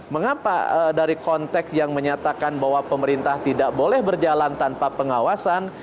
mengapa dari konteks yang menyatakan bahwa pemerintah tidak boleh berjalan tanpa pengawasan